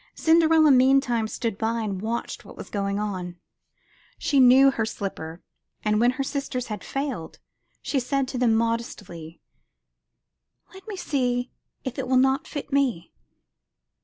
Cinderella meantime stood by and watched what was going on. She knew her slipper and when her sisters had failed, she said to them modestly: *'Let me see if it will not fit me.